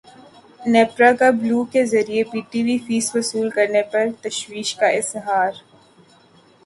نیپرا کا بلوں کے ذریعے پی ٹی وی فیس وصول کرنے پر تشویش کا اظہار